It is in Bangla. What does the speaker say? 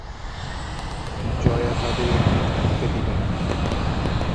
জয়া তাদের এখানে থাকিতে দিবে না?